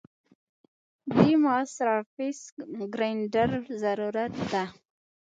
دې ما سرفېس ګرېنډر ضرورت ده